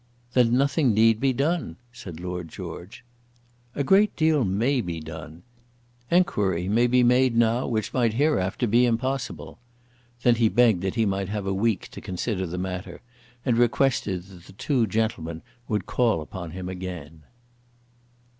"Then nothing need be done," said Lord George. "A great deal may be done. Enquiry may be made now which might hereafter be impossible." Then he begged that he might have a week to consider the matter, and requested that the two gentlemen would call upon him again.